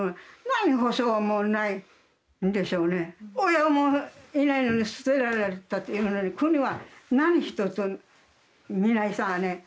親もいないのに捨てられたというのに国は何一つみないさーね。